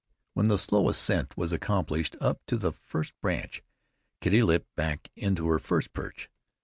When the slow ascent was accomplished up to the first branch, Kitty leaped back into her first perch.